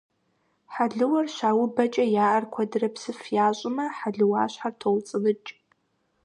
Хьэлыуэр щаубэкӀэ я Ӏэр куэдрэ псыф ящӀмэ, хьэлыуащхьэр тоуцӀы-ныкӀ.